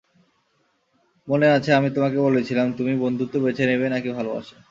মনে আছে, আমি তোমাকে বলেছিলাম, তুমি বন্ধুত্ব বেছে নিবে নাকি ভালোবাসা?